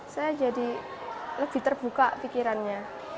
saya jadi lebih terbuka pikirannya